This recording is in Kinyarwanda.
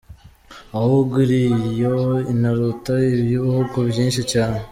ahubwo iriyo inaruta iyibihugu byinshi cyane.